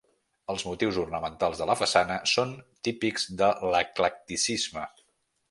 Els motius ornamentals de la façana són típics de l'eclecticisme.